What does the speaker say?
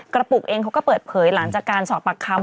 กระปุกเองเขาก็เปิดเผยหลังจากการสอบปากคำ